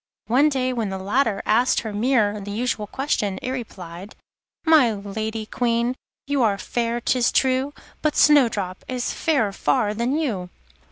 One day when the latter asked her mirror the usual question, it replied: 'My Lady Queen, you are fair, 'tis true, But Snowdrop is fairer far than you.